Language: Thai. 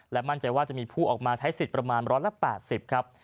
มั่นใจว่าจะมีผู้ออกมาใช้สิทธิ์ประมาณ๑๘๐ครับ